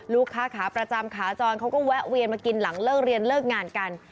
ขาขาประจำขาจรเขาก็แวะเวียนมากินหลังเลิกเรียนเลิกงานกัน